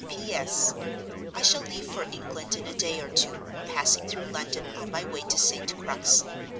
"P. S.—I shall leave for England in a day or two, passing through London on my way to St. Crux.